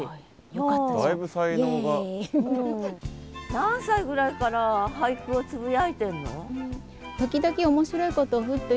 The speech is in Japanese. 何歳ぐらいから俳句はつぶやいてんの？